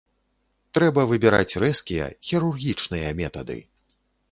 Трэба выбіраць рэзкія, хірургічныя метады.